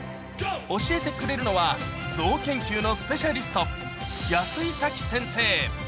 教えてくれるのは、ゾウ研究のスペシャリスト、安井早紀先生。